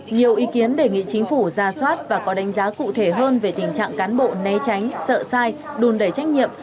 nhiều ý kiến đề nghị chính phủ ra soát và có đánh giá cụ thể hơn về tình trạng cán bộ né tránh sợ sai đùn đẩy trách nhiệm